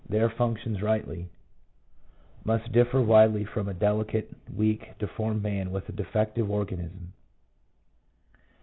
their functions rightly, must differ widely from a delicate, weak, deformed man with a defective organ ism.